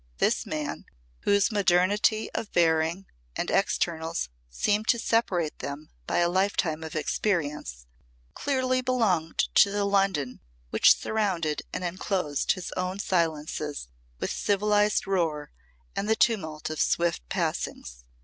This man, whose modernity of bearing and externals seemed to separate them by a lifetime of experience, clearly belonged to the London which surrounded and enclosed his own silences with civilised roar and the tumult of swift passings.